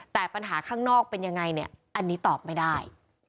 แต่ปัญหาข้างนอกเป็นยังไงเนี่ยอันนี้ตอบไม่ได้